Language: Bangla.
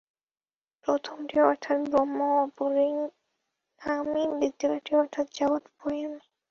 প্রথমটি অর্থাৎ ব্রহ্ম অপরিণামী, দ্বিতীয়টি অর্থাৎ জগৎ পরিণামী।